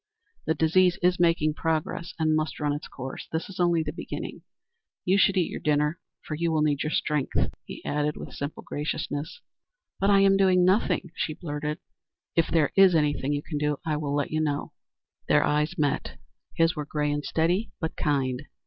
"The disease is making progress and must run its course. This is only the beginning. You should eat your dinner, for you will need your strength," he added with simple graciousness. "But I am doing nothing," she blurted. "If there is anything you can do I will let you know." Their eyes met. His were gray and steady, but kind.